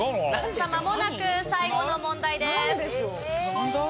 さあまもなく最後の問題です。